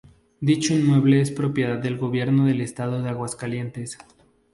Dicho inmueble es propiedad del Gobierno del Estado de Aguascalientes.